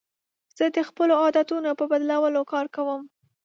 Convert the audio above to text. زه د خپلو عادتونو په بدلولو کار کوم.